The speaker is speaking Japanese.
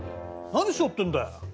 何をしようってんだよ？